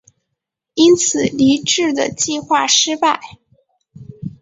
因此黎质的计谋失败。